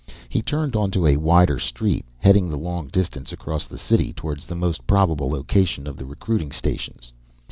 He turned onto a wider street, heading the long distance across the city toward the most probable location of the recruiting stations.